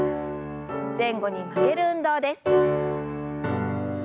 前後に曲げる運動です。